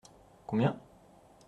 Combien ?